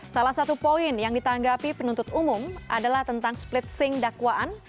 salah satu poin yang ditanggapi penuntut umum adalah tentang splitsing dakwaan